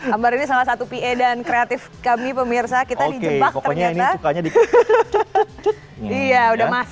gambar ini salah satu pa dan kreatif kami pemirsa kita di jebak ternyata